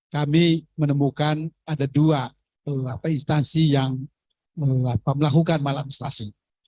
kami menemukan ada dua instansi yang melakukan maladministrasi